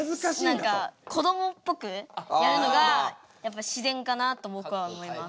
何かこどもっぽくやるのがやっぱ自然かなと僕は思います。